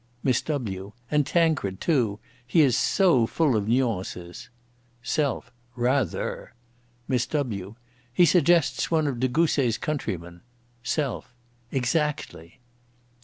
MISS W.: "And Tancred, too—he is so full of nuances." SELF: "Rather!" MISS W.: "He suggests one of Dégousse's countrymen." SELF: "Exactly!"